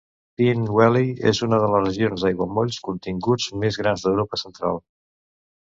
Peene Valley és una de les regions d'aiguamolls contigus més grans d'Europa central.